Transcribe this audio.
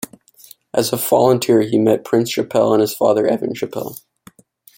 As a volunteer he met Prince Chappell and his father Evan Chappell.